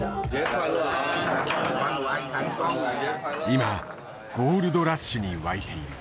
今ゴールドラッシュに沸いている。